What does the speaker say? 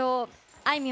あいみょ